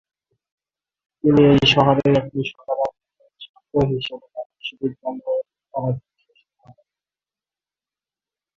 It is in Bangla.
তিনি এই শহরেই একজন সাধারণ মানের ছাত্র হিসেবে তার বিদ্যালয়ের পড়াশোনা শেষ করেন।